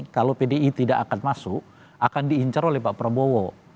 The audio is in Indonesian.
kalau pdi tidak akan masuk akan diincar oleh pak prabowo